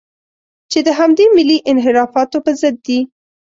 چې د همدې ملي انحرافاتو په ضد دي.